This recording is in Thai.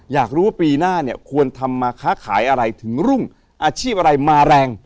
อยากรู้ว่าปีหน้าเนี่ยควรทำมาค้าขายอะไรถึงรุ่งอาชีพอะไรมาแรง